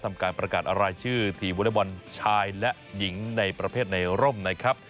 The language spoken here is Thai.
การประกาศรายชื่อทีมวอเล็กบอลชายและหญิงในประเภทในร่มนะครับ